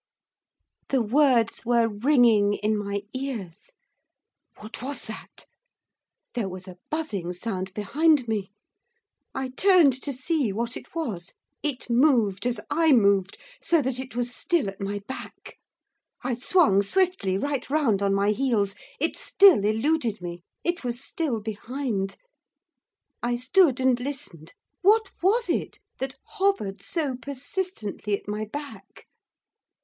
The words were ringing in my ears. What was that? There was a buzzing sound behind me. I turned to see what it was. It moved as I moved, so that it was still at my back. I swung, swiftly, right round on my heels. It still eluded me, it was still behind. I stood and listened, what was it that hovered so persistently at my back?